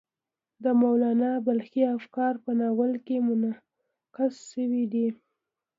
د مولانا بلخي افکار په ناول کې منعکس شوي دي.